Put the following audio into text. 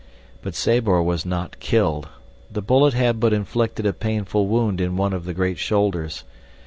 But Sabor was not killed. The bullet had but inflicted a painful wound in one of the great shoulders.